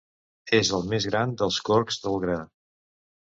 És el més gran dels corcs del gra.